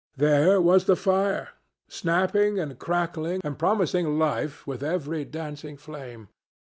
There was the fire, snapping and crackling and promising life with every dancing flame.